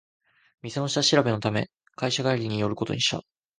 店の下調べのため会社帰りに寄ることにした